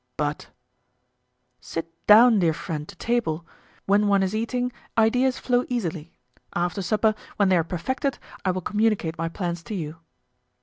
"But——" "Sit down, dear friend, to table. When one is eating, ideas flow easily. After supper, when they are perfected, I will communicate my plans to you."